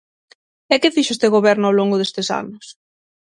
¿E que fixo este goberno ao longo destes anos?